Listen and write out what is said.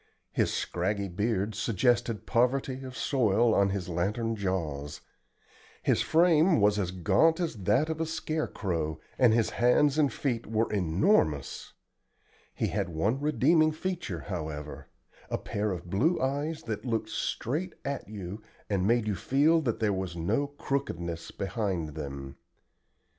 His scraggy beard suggested poverty of soil on his lantern jaws. His frame was as gaunt as that of a scare crow, and his hands and feet were enormous. He had one redeeming feature, however a pair of blue eyes that looked straight at you and made you feel that there was no "crookedness" behind them.